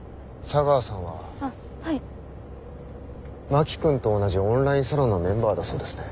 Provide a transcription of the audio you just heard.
真木君と同じオンラインサロンのメンバーだそうですね。